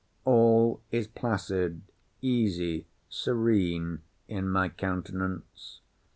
All is placid, easy, serene, in my countenance.